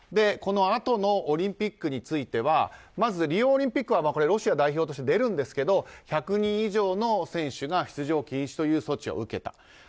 このあとのオリンピックについてはリオオリンピックはロシア代表として出るんですけど１００人以上の選手が出場禁止という措置を受けた。